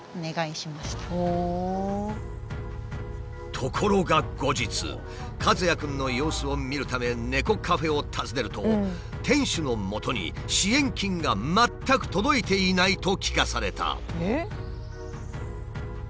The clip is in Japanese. ところが後日かずやくんの様子を見るため猫カフェを訪ねると店主のもとに支援金が全く届いていないと聞かされた。